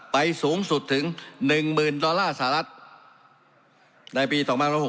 สูงสุดถึง๑๐๐๐ดอลลาร์สหรัฐในปี๒๐๖๖